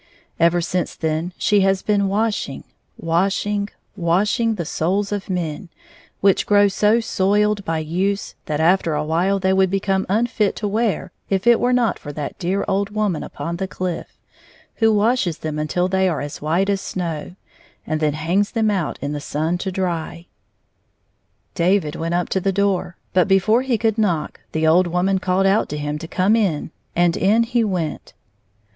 Ever since then she has been washing, washing, washing the souls of men, which grow so soiled by use that after a while they would become unfit to wear if it were not for that dear old woman upon the cKff, who washes them until they are as white as snow, and then hangs them out in the sun to dry, "5 David went up to the door, but before lie could knock the old woman called out to him to come in, and in he went.